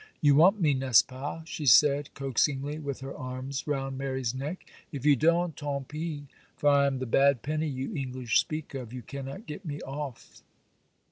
You want me, n'est ce pas?' she said, coaxingly, with her arms round Mary's neck; 'if you don't, tant pis; for I am the bad penny you English speak of, you cannot get me off.